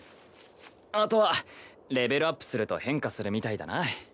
あとはレベルアップすると変化するみたいだな。